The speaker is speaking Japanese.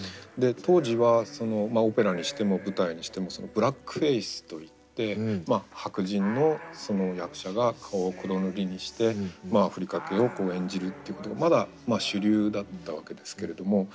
で当時はオペラにしても舞台にしてもブラックフェースといって白人の役者が顔を黒塗りにしてアフリカ系を演じるっていうことがまだ主流だったわけですけれども。